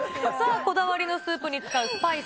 こだわりのスープに使うスパイス。